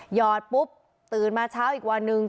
หอดปุ๊บตื่นมาเช้าอีกวันหนึ่ง